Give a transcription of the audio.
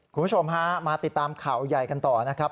คุณผู้ชมฮะมาติดตามข่าวใหญ่กันต่อนะครับ